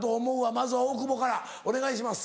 まずは大久保からお願いします。